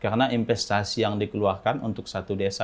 karena investasi yang dikeluarkan untuk satu desa itu banyak